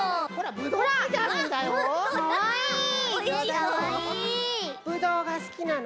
ブドウがすきなの？